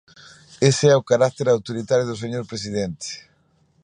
Ese é o carácter autoritario do señor presidente.